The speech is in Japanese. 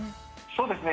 そうですね。